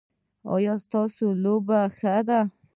ایا ستاسو لوبه ښه ده؟